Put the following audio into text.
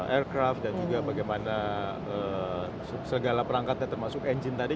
aircraft dan juga bagaimana segala perangkatnya termasuk engine tadi